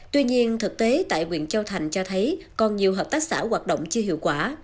tuy nhiên thực tế tại quyền châu thành cho thấy còn nhiều hợp tác xã hoạt động chưa hiệu quả